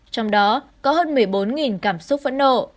trong đó có hơn một mươi bốn cảm xúc vẫn nổ